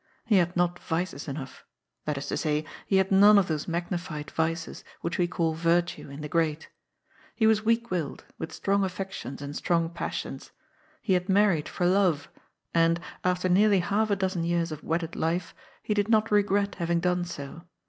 He had not vices enough. That is to say, he had none of those magnified vices which we call virtues in the great. He was weak willed, with strong affections and strong passions. He had married for love, and, after nearly half a A>zen years of wedded life, he did not regret having done so.